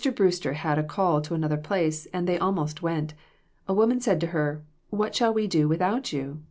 Brewster had a call to another place, and they almost went. A woman said to her 'What shall we do without you?